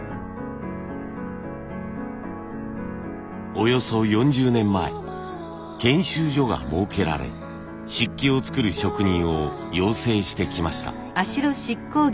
およそ４０年前研修所が設けられ漆器を作る職人を養成してきました。